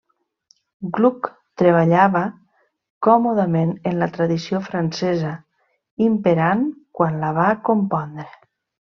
Gluck treballava còmodament en la tradició francesa imperant quan la va compondre.